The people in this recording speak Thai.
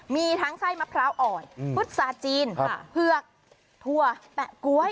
มีทั้งไส้มะพร้าวอ่อนพุษาจีนเผือกถั่วแปะก๊วย